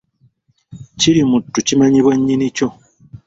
Kirimuttu kimanyibwa nnyini kyo.